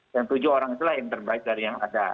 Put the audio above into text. yang tujuh orang itulah yang terbaik dari yang ada